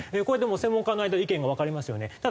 これでもう専門家の間で意見が分かれますよね。